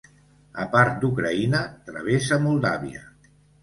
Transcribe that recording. A part d'Ucraïna, travessa Moldàvia.